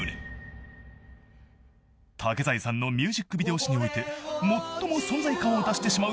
［竹財さんのミュージックビデオ史において最も存在感を出してしまう作品に出合う］